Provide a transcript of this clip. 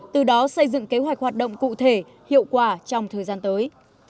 từ đó xây dựng kế hoạch hoạt động cụ thể hiệu quả trong thời gian tới